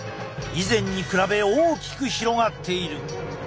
以前に比べ大きく広がっている。